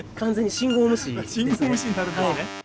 信号無視になるんですね。